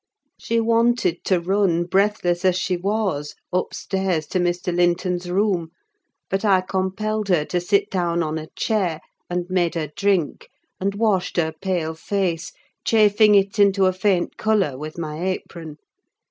She wanted to run, breathless as she was, upstairs to Mr. Linton's room; but I compelled her to sit down on a chair, and made her drink, and washed her pale face, chafing it into a faint colour with my apron.